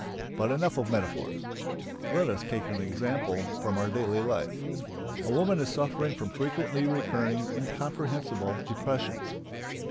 But enough of metaphors! Let us take an example from our daily life. A woman is suffering from frequently recurring incomprehensible depressions.